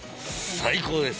最高です。